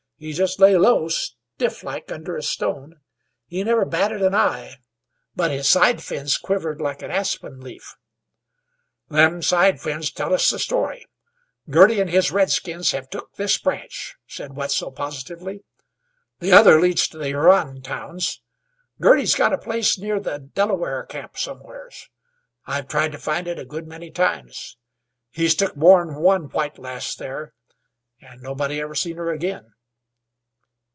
"He just lay low, stifflike, under a stone. He never batted an eye. But his side fins quivered like an aspen leaf." "Them side fins tell us the story. Girty, an' his redskins hev took this branch," said Wetzel, positively. "The other leads to the Huron towns. Girty's got a place near the Delaware camp somewheres. I've tried to find it a good many times. He's took more'n one white lass there, an' nobody ever seen her agin."